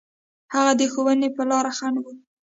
هغوی د ښوونې په لاره خنډ و.